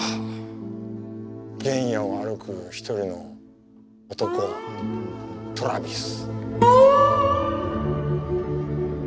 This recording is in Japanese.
原野を歩く一人の男トラヴィス。